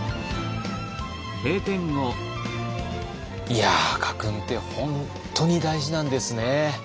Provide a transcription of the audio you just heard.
いや家訓って本当に大事なんですね。